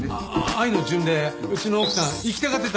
『愛の巡礼』うちの奥さん行きたがってた。